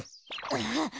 あっ。